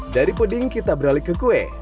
dari puding kita beralih ke kue